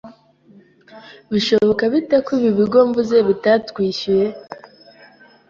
Bishoboka bite ko ibi bigo mvuze bitatwishyuye